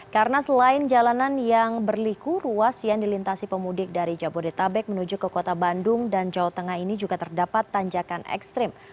karena selain jalanan yang berliku ruas yang dilintasi pemudik dari jabodetabek menuju ke kota bandung dan jawa tengah ini juga terdapat tanjakan ekstrim